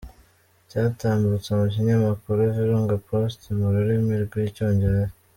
Cyatambutse mu kinyamakuru VirungaPost mu rurimi rw’Icyongereza.